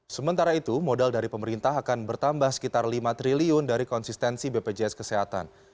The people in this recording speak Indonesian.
sementara itu modal dari pemerintah akan bertambah sekitar lima triliun dari konsistensi bpjs kesehatan